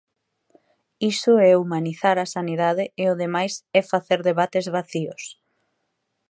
Iso é humanizar a sanidade e o demais é facer debates vacíos.